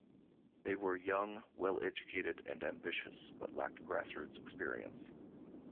They were young, well-educated and ambitious but lacked grassroots experience.